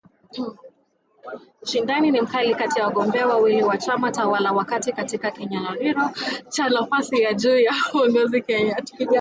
ushindani ni mkali kati ya wagombea wawili wa chama tawala wakati katika kinyang’anyiro cha nafasi ya juu ya uongozi Kenya.